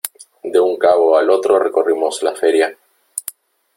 de un cabo al otro recorrimos la feria .